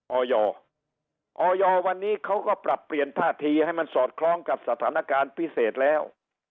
ออยวันนี้เขาก็ปรับเปลี่ยนท่าทีให้มันสอดคล้องกับสถานการณ์พิเศษแล้ว